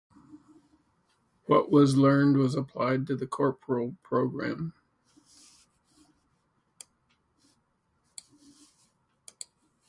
What was learned was applied to the Corporal program.